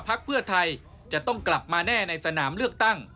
พักเพื่อไทยจะต้องกลับมาแน่ในสนามเลือกตั้ง